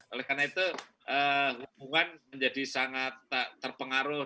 oleh karena itu hubungan menjadi sangat terpengaruh